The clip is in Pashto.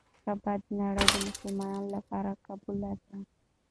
کعبه د نړۍ د مسلمانانو لپاره قبله ده.